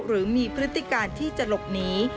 หรือมีพฤติการที่จะหลบหนี